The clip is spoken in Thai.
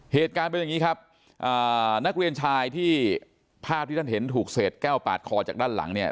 เหตุการณ์เป็นอย่างนี้ครับนักเรียนชายที่ภาพที่ท่านเห็นถูกเศษแก้วปาดคอจากด้านหลังเนี่ย